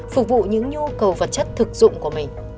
phục vụ những nhu cầu vật chất thực dụng của mình